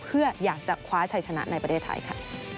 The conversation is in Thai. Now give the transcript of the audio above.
เพื่ออยากจะคว้าชัยชนะในประเทศไทยค่ะ